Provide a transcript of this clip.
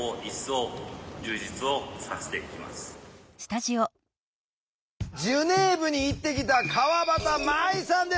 ジュネーブに行ってきた川端舞さんです。